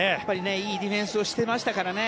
いいディフェンスをしていましたからね。